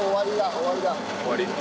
終わり？